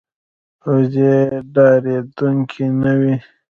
وزې ډارېدونکې نه وي